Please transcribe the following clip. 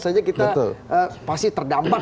saja kita pasti terdampak